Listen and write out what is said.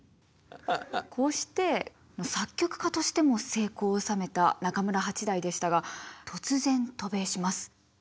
こうして作曲家としても成功を収めた中村八大でしたが突然渡米します。